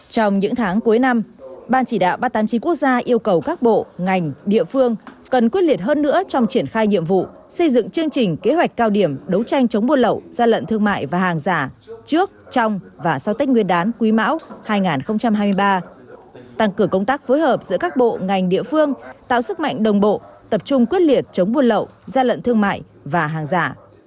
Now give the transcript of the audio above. trong những tháng cuối năm ban chỉ đạo ba trăm tám mươi chín quốc gia yêu cầu các bộ ngành địa phương cần quyết liệt hơn nữa trong triển khai nhiệm vụ xây dựng chương trình kế hoạch cao điểm đấu tranh chống buôn lậu gian lận thương mại và hàng giả trước trong và sau tết nguyên đán quý mão hai nghìn hai mươi ba tăng cửa công tác phối hợp giữa các bộ ngành địa phương tạo sức mạnh đồng bộ tập trung quyết liệt chống buôn lậu gian lận thương mại và hàng giả